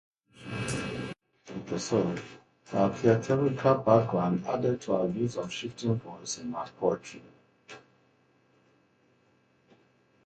Her theatrical background added to her use of shifting voices in her poetry.